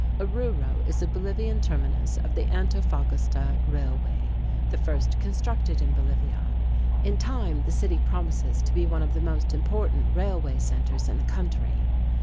Oruro is the Bolivian terminus of the Antofagasta (ahn toe fah gahs´ tah) Railway, the first constructed in Bolivia. In time the city promises to be one of the most important railway centers in the country.